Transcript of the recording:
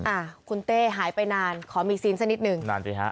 อ่าคุณเต้หายไปนานขอมีซีนสักนิดนึง